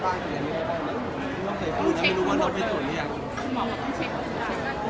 เหมือนเขาบอกว่าเขาอยากได้แพ้อะไรบ้าง